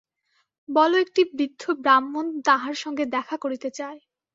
বলো একটি বৃদ্ধ ব্রাহ্মণ তাঁহার সঙ্গে দেখা করিতে চায়।